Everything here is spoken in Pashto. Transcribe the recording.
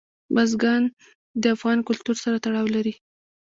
بزګان د افغان کلتور سره تړاو لري.